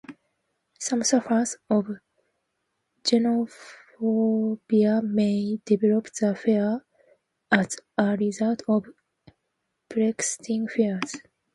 Some sufferers of genophobia may develop the fear as a result of preexisting fears.